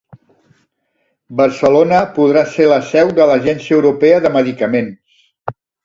Barcelona podrà ser la seu de l'Agència Europea de Medicaments